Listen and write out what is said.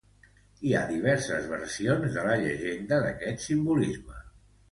Hi ha diverses versions de la llegenda d'este simbolisme.